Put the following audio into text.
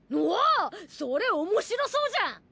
おぉそれおもしろそうじゃん！